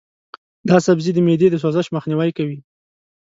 دا سبزی د معدې د سوزش مخنیوی کوي.